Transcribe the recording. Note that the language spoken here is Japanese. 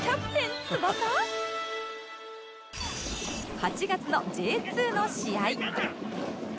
８月の Ｊ２ の試合